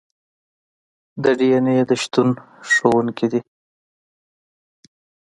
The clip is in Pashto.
د ډي این اې د شتون ښودونکي دي.